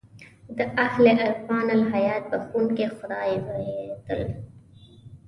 د اهل عرفان الهیات بخښونکی خدای بابېدل.